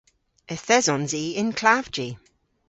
Yth esons i y'n klavji.